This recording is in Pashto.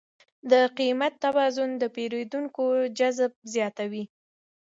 د قیمت توازن د پیرودونکو جذب زیاتوي.